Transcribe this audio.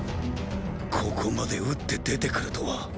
ここまで打って出てくるとは。